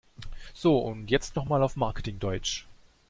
So, und jetzt noch mal auf Marketing-Deutsch!